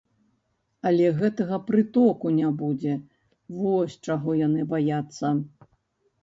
Але гэтага прытоку не будзе, вось чаго яны баяцца.